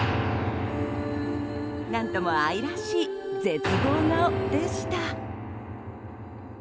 何とも愛らしい絶望顔でした。